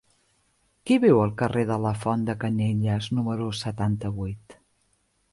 Qui viu al carrer de la Font de Canyelles número setanta-vuit?